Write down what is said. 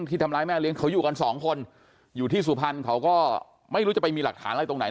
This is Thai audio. ที่ทำร้ายแม่เลี้ยงเขาอยู่กันสองคนอยู่ที่สุพรรณเขาก็ไม่รู้จะไปมีหลักฐานอะไรตรงไหน